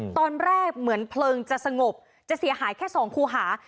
ตอนแรกเหมือนเพลิงจะสงบจะเสียหายแค่๒คูหา